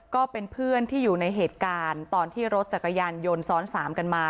ก็เป็นเพื่อนที่อยู่ในเหตุการณ์ตอนที่รถจักรยานยนต์ซ้อนสามกันมา